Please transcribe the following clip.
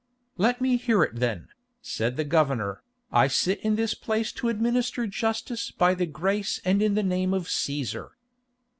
"Let me hear it then," said the governor. "I sit in this place to administer justice by the grace and in the name of Cæsar."